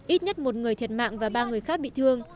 ít nhất một người thiệt mạng và ba người khác bị thương